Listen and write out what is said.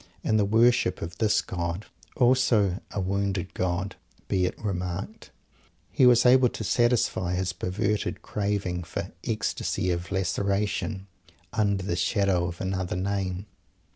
In the worship of this god also a wounded god, be it remarked; he was able to satisfy his perverted craving for "ecstasy of laceration" under the shadow of another Name.